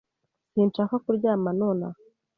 Sinshaka kuryama nonaha